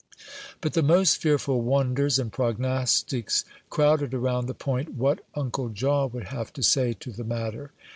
But the most fearful wonders and prognostics crowded around the point "what Uncle Jaw would have to say to the matter."